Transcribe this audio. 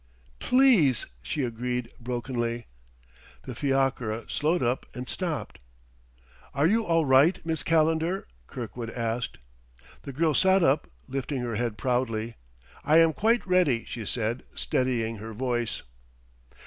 "Please!" she agreed brokenly. The fiacre slowed up and stopped. "Are you all right, Miss Calendar?" Kirkwood asked. The girl sat up, lifting her head proudly. "I am quite ready," she said, steadying her voice.